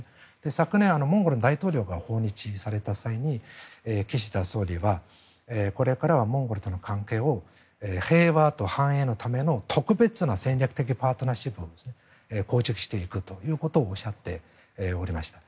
昨年、モンゴルの大統領が訪日された際に岸田総理はこれからはモンゴルとの関係を平和と繁栄のための特別な戦略的パートナーシップを構築していくということをおっしゃっておりました。